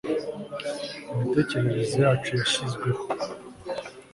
Imitekerereze yacu yashizweho